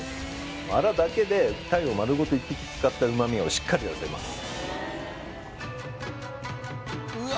アラだけで鯛を丸ごと１匹使った旨味をしっかり出せます